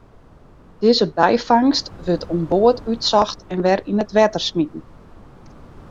Dizze byfangst wurdt oan board útsocht en wer yn it wetter smiten.